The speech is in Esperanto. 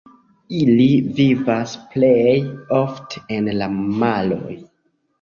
Ili vivas plej ofte en la maroj.